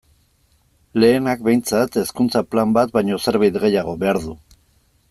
Lehenak, behintzat, Hezkuntza Plan bat baino zerbait gehiago behar du.